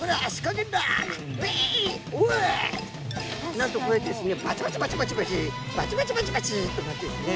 なんとこうやってですねバチバチバチバチバチバチバチバチバチっとなってですね